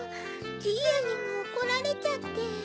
じいやにもおこられちゃって。